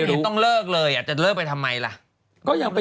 โอ้ตามาทำไมตามอย่างงี้